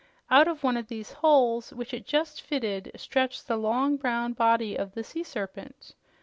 Out of one of these holes, which it just fitted, stretched the long, brown body of the sea serpent.